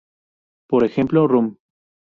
Por ejemplo, "Run!